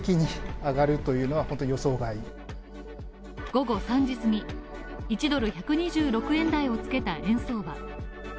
午後３時すぎ、１ドル＝１２６円台をつけた円相場。